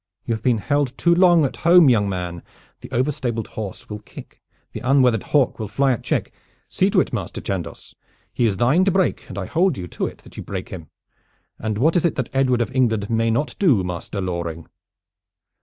You have been held too long at home, young man. The overstabled horse will kick. The unweathered hawk will fly at check. See to it, Master Chandos! He is thine to break, and I hold you to it that you break him. And what is it that Edward of England may not do, Master Loring?"